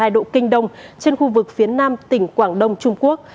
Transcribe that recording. một trăm một mươi một hai độ kinh đông trên khu vực phía nam tỉnh quảng đông trung quốc